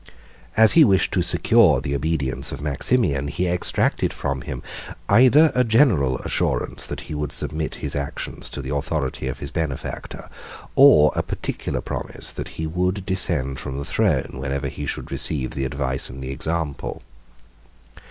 As he wished to secure the obedience of Maximian, he exacted from him either a general assurance that he would submit his actions to the authority of his benefactor, or a particular promise that he would descend from the throne, whenever he should receive the advice and the example.